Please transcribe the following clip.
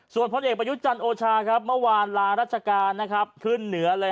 ส่วนพลเอกประยุจันโอชาเมื่อวานลารัชการขึ้นเหนือ